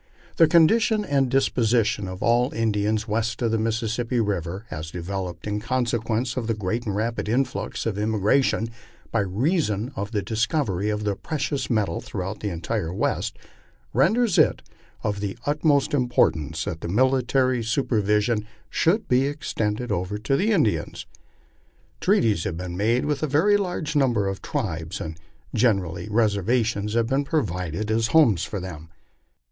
The condition and disposition of all the Indians west of the Mississippi river, as developed in consequence of the great and rapid influx of immigration by reason of the dis covery of the precious metals throughout the entire West, renders it of the ut most importance that military supervision should be extended over the Indians. Treaties have been made with a very large number of the tribes, and general ly reservations have been provided as homes for them.